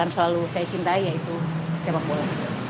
dan selalu saya cintai yaitu sepak bola